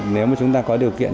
nếu mà chúng ta có điều kiện